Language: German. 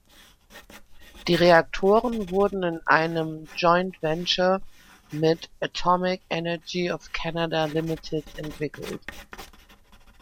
Die Reaktoren wurden in einem Joint Venture mit "Atomic Energy of Canada Limited" entwickelt.